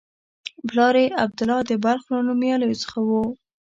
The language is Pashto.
پلار یې عبدالله د بلخ له نومیالیو څخه و.